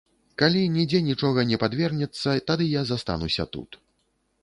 Калі нідзе нічога не падвернецца, тады я застануся тут.